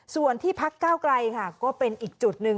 ส่วนที่พักเก้าไกลค่ะก็เป็นอีกจุดหนึ่ง